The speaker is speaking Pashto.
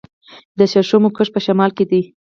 د شړشمو کښت په شمال کې دی.